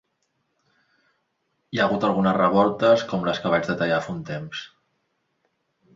Hi ha hagut algunes revoltes com la que vaig detallar fa un temps.